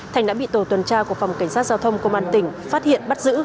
thành đã bị tổ tuần tra của phòng cảnh sát giao thông công an tỉnh phát hiện bắt giữ